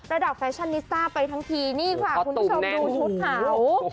แฟชั่นนิสต้าไปทั้งทีนี่ค่ะคุณผู้ชมดูชุดเขา